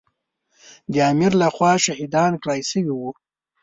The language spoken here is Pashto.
د امیر له خوا شهیدان کړای شوي وو.